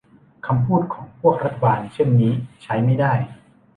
คำพูดของพวกรัฐบาลเช่นนี้ใช้ไม่ได้